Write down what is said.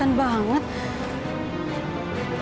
balibanda bangetan banget